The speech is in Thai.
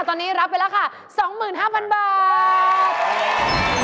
ตอนนี้รับไปราคา๒๕๐๐๐บาท